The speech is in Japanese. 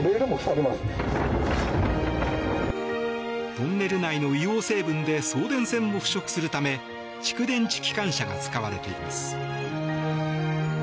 トンネル内の硫黄成分で送電線も腐食するため蓄電池機関車が使われています。